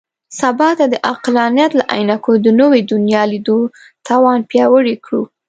سبا ته د عقلانیت له عینکو د نوي دنیا لیدو توان پیاوړی کړو.